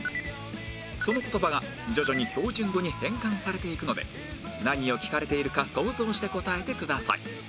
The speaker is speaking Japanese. その言葉が徐々に標準語に変換されていくので何を聞かれているか想像して答えてください